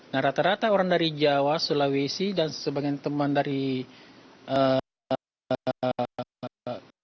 nah rata rata orang dari jawa sulawesi dan sebagian teman dari jepang